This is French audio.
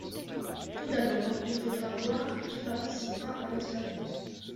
Tout d’abord il faudra voir qui participera à l’expérience.